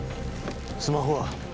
スマホは？